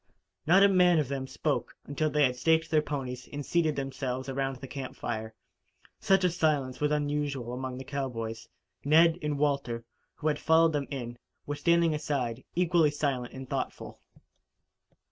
Not a man of them spoke until they had staked their ponies and seated themselves around the camp fire. Such a silence was unusual among the cowboys. Ned and Walter, who had followed them in, were standing aside, equally silent and thoughtful.